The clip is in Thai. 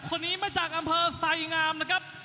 คนนี้มาจากอำเภอไสงามนะครับ